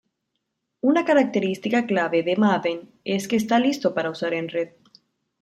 Una característica clave de Maven es que está listo para usar en red.